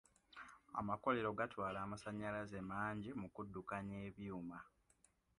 Amakolero gatwala amasanyalaze mangi mu kuddukanya ebyuma.